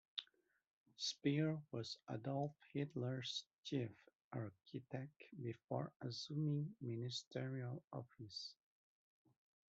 Speer was Adolf Hitler's chief architect before assuming ministerial office.